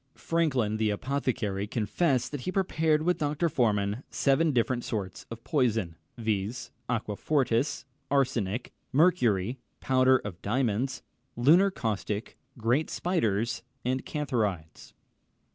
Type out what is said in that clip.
Franklin, the apothecary, confessed that he prepared with Dr. Forman seven different sorts of poisons, viz. aquafortis, arsenic, mercury, powder of diamonds, lunar caustic, great spiders, and cantharides.